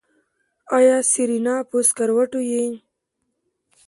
ای سېرېنا په سکروټو يې.